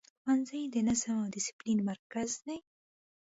ښوونځی د نظم او دسپلین مرکز دی.